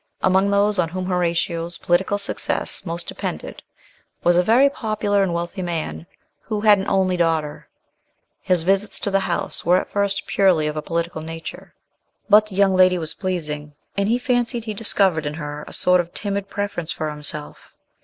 Among those on whom Horatio's political success most depended was a very popular and wealthy man, who had an only daughter. His visits to the house were at first purely of a political nature; but the young lady was pleasing, and he fancied he discovered in her a sort of timid preference for himself.